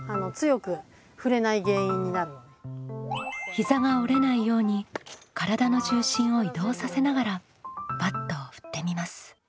膝が折れないように体の重心を移動させながらバットを振ってみます。